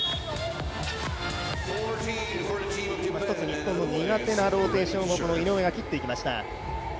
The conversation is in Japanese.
日本の苦手なローテーションを井上が切っていきました。